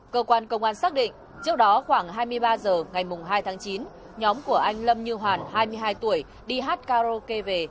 cơ quan công an xác định trước đó khoảng hai mươi ba h ngày hai tháng chín nhóm của anh lâm như hoàn hai mươi hai tuổi đi hát karaoke về